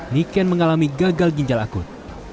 niken mengalami gagal ginjal akut